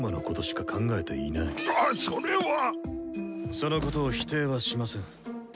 そのことを否定はしません。